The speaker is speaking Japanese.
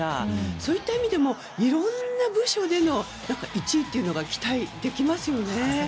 そういった意味でもいろんな部門での１位が期待できますよね。